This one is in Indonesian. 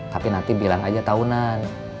tapi nanti bilang aja tahunan